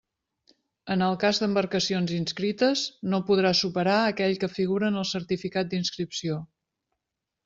En el cas d'embarcacions inscrites, no podrà superar aquell que figure en el certificat d'inscripció.